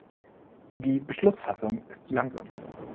Die Beschlussfassung ist zu langsam.